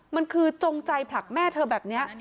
มันคือจงใจผลักแม่เธอแบบนี้